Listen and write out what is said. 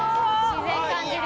自然感じる。